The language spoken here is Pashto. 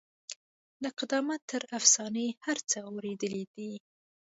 له قدامت تر افسانې هر څه غوړېدلي دي.